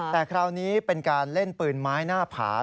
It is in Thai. แต่คราวนี้เป็นการเล่นปืนไม้หน้าผา